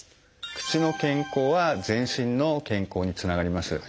口の健康は全身の健康につながります。